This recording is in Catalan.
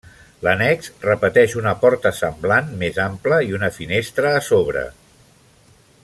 L’annex repeteix una porta semblant, més ample, i una finestra a sobre.